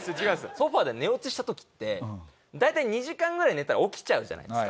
ソファで寝落ちした時って大体２時間ぐらい寝たら起きちゃうじゃないですか。